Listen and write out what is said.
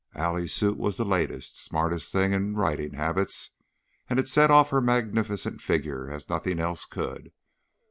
Allie's suit was the latest, smartest thing in riding habits, and it set off her magnificent figure as nothing else could.